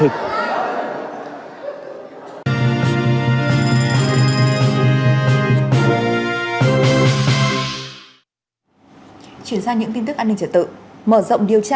cô rất là cảm ơn